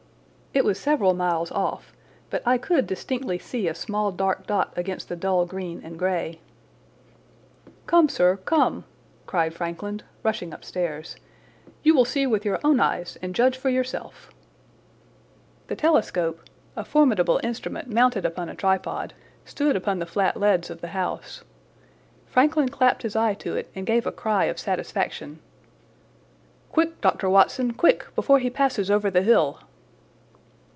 It was several miles off, but I could distinctly see a small dark dot against the dull green and grey. "Come, sir, come!" cried Frankland, rushing upstairs. "You will see with your own eyes and judge for yourself." The telescope, a formidable instrument mounted upon a tripod, stood upon the flat leads of the house. Frankland clapped his eye to it and gave a cry of satisfaction. "Quick, Dr. Watson, quick, before he passes over the hill!"